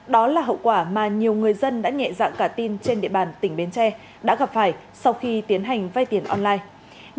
đó là hậu quả mà nhiều người dân đã nhẹ dạng cả tin trên địa bàn tỉnh bến tre đã gặp phải sau khi tiến hành vay tiền online